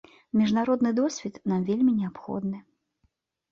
Міжнародны досвед нам вельмі неабходны.